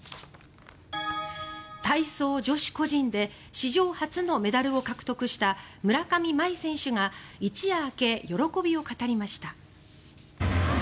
体操女子個人で史上初のメダルを獲得した村上茉愛選手が一夜明け、喜びを語りました。